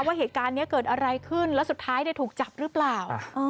ว่าเหตุการณ์นี้เกิดอะไรขึ้นแล้วสุดท้ายถูกจับหรือเปล่า